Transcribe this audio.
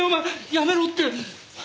やめろって。